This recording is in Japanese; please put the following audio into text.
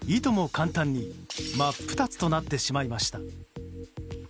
簡単に真っ二つとなってしまいました。